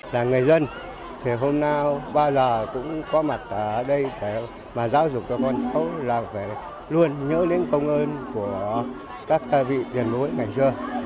là người dân hôm nay bao giờ cũng có mặt ở đây để giáo dục cho con cháu là phải luôn nhớ đến công ơn của các vị tiền bố ngày trưa